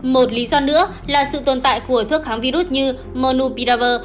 một lý do nữa là sự tồn tại của thuốc kháng virus như monopiravir